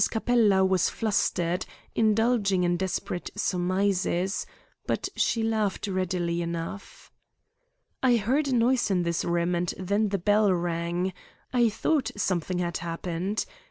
Capella was flustered, indulging in desperate surmises, but she laughed readily enough. "I heard a noise in this room, and then the bell rang. I thought something had happened.